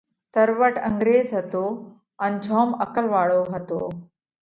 تروٽ انڳريز هتو ان جوم عقل واۯو هتو۔